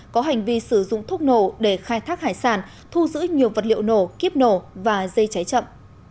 có hành vi sử dụng thuốc nổ để khai thác hải sản thu giữ nhiều vật liệu nổ kiếp nổ và dây cháy chậm